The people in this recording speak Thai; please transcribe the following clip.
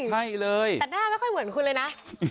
ใช่เลยแต่หน้าไม่ค่อยเหมือนคุณเลยนะ